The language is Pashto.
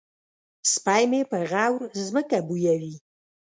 سپی مې په غور ځمکه بویوي.